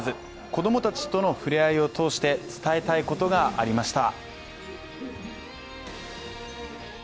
子供たちとの触れ合いを通して伝えたいことがありました。